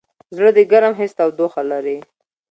زړه د ګرم حس تودوخه لري.